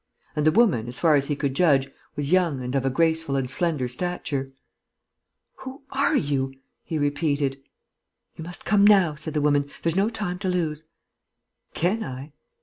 And the woman, as far as he could judge, was young and of a graceful and slender stature. "Who are you?" he repeated. "You must come now," said the woman. "There's no time to lose." "Can I?"